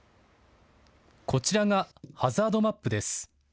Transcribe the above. こちらがハザードマップです。